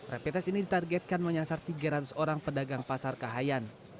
rapid test ini ditargetkan menyasar tiga ratus orang pedagang pasar kahayan